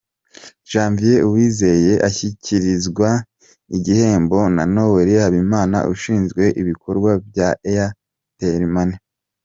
Janvier Uwizeye ashyikirezwa igihembo na Noel Habimana ushinzwe ibikorwa bya Airtel Money.